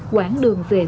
quãng đường về nhà